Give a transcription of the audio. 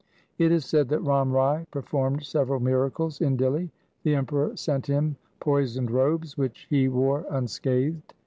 It is said that Ram Rai performed several miracles in Dihli. The Emperor sent him poisoned robes which he wore unscathed.